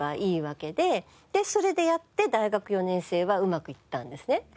それでやって大学４年生はうまくいったんですね。